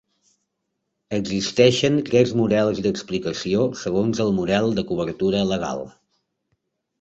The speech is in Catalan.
Existeixen tres models d'explicació segons el model de cobertura legal.